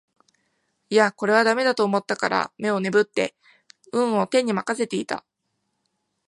いやこれは駄目だと思ったから眼をねぶって運を天に任せていた